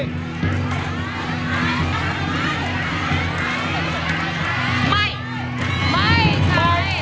ใช้ใช้ใช้